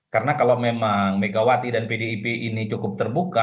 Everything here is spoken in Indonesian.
karena kalau memang megawati dan pdip ini cukup terbuka